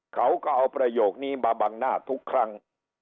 เขาก็เอาประโยคนี้มาบังหน้าทุกครั้ง